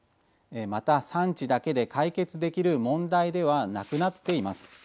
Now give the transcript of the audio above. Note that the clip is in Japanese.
また、産地だけで解決できる問題ではなくなっています。